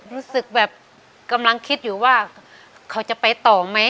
รู้สึกแบบกำลังคิดอยู่ว่าเขาจะไปต่อไหม